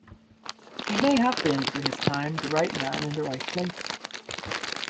He may have been, for his time, the right man in the right place.